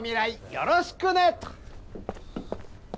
よろしくね」と。